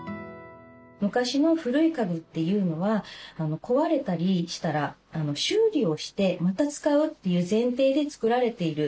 昔の古い家具というのは壊れたりしたら修理をしてまた使うという前提で作られている。